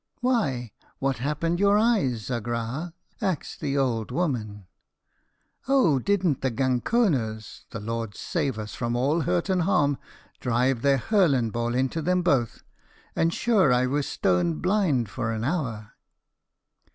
"'Why, what happened your eyes, agrah?' axed the ould woman. "'Oh! didn't the ganconers the Lord save us from all hurt and harm! drive their hurlen ball into them both! and sure I was stone blind for an hour.'